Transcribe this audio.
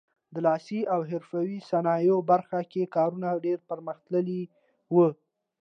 د لاسي او حرفوي صنایعو برخه کې کارونه ډېر پرمختللي وو.